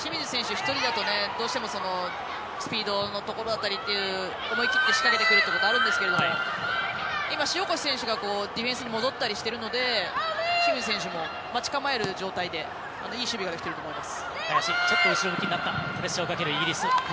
１人だとどうしてもスピードのところというのは思い切って仕掛けてくるところがあるんですけれども今、塩越選手が、ディフェンスに戻ったりしてるので清水選手も待ち構える状態でいい守備ができていると思います。